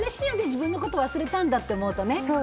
自分のこと忘れたんだって思うとね。